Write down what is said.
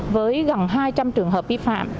với gần hai trăm linh trường hợp vi phạm